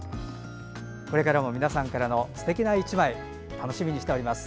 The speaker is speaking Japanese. これからも皆さんからのすてきな１枚楽しみにしております。